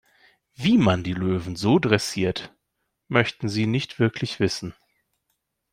Wie man die Löwen so dressiert, möchten Sie nicht wirklich wissen.